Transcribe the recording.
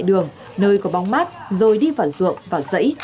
đường nơi có bóng mát rồi đi vào ruộng vào rẫy